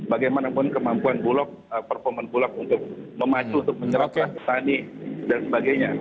bagaimanapun kemampuan performa bulog untuk memacu untuk penyerapan petani dan sebagainya